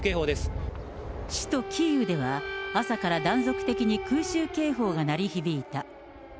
首都キーウでは、朝から断続的に空襲警報が鳴り響いた。